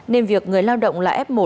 nên việc người lao động là f một